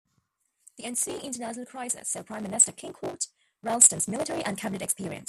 The ensuing international crisis saw Prime Minister King court Ralston's military and cabinet experience.